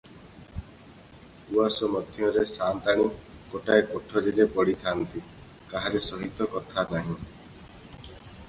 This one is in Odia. ଉଆସ ମଧ୍ୟରେ ସାଆନ୍ତାଣୀ ଗୋଟାଏ କୋଠରୀରେ ପଡ଼ିଥାନ୍ତି, କାହାରି ସହିତ କଥା ନାହିଁ ।